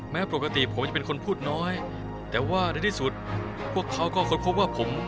ปกติผมจะเป็นคนพูดน้อยแต่ว่าในที่สุดพวกเขาก็ค้นพบว่าผม